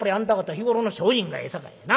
日頃の精進がええさかいやな！